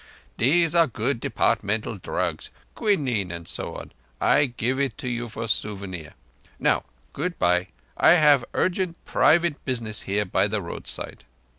These are good Departmental drugs—quinine and so on. I give it you for souvenir. Now good bye. I have urgent private business here by the roadside."